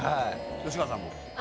吉川さんも？